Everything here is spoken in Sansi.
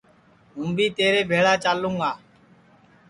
ہوں بی تیرے بھیݪا چالوں گا